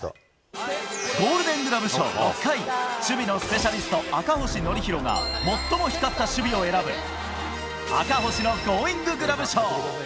ゴールデングラブ賞６回、守備のスペシャリスト、赤星憲広が、最も光った守備を選ぶ、赤星のゴーインググラブ賞。